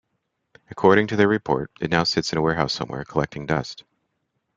According to their report, it now sits in a warehouse somewhere, collecting dust.